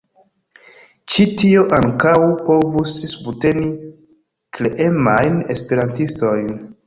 Ĉi tio ankaŭ povus subteni kreemajn esperantistojn.